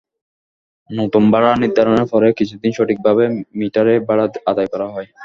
নতুন ভাড়া নির্ধারণের পরে কিছুদিন সঠিকভাবে মিটারে ভাড়া আদায় করা হয়।